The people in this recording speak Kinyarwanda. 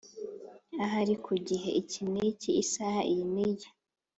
ahari ku gihe iki niki isaha iyiniyi